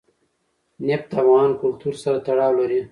نفت د افغان کلتور سره تړاو لري.